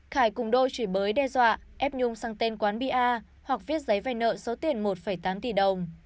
khải cùng đôi chuyển bới đe dọa ép nhung sang tên quán bi hoặc viết giấy về nợ số tiền một tám tỷ đồng